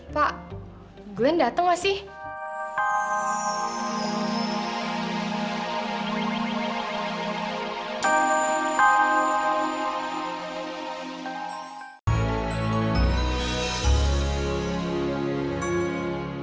pak glenn datang nggak sih